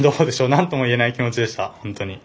なんともいえない気持ちでした。